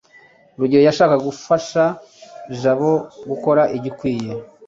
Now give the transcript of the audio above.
rugeyo yashakaga gufasha jabo gukora igikwiye